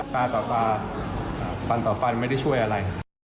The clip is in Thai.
ตาต่อตาฟันต่อฟันไม่ได้ช่วยอะไร